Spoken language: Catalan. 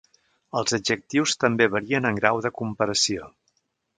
Els adjectius també varien en grau de comparació.